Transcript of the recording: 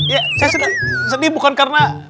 ya saya sedih bukan karena